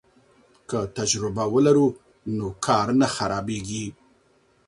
که تجربه ولرو نو کار نه خرابیږي.